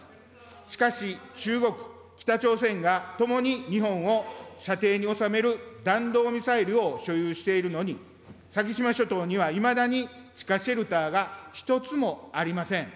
しかし、中国、北朝鮮がともに日本を射程に収める弾道ミサイルを所有しているのに、先島諸島にはいまだに地下シェルターが一つもありません。